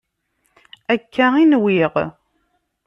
Akka i nwiɣ.